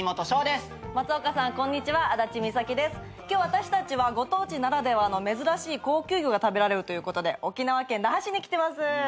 今日私たちはご当地ならではの珍しい高級魚が食べられるということで沖縄県那覇市に来てます。